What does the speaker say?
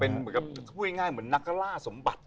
ถ้าพูดง่ายแบบนักล่าสมบัติ